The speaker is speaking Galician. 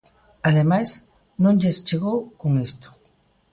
Ademais, non lles chegou con isto.